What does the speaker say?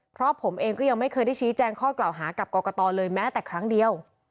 เพราะผมเองก็ยังไม่เคยได้ชี้แจงข้อกล่าวหากับกรกตเลยแม้แต่ครั้งเดียว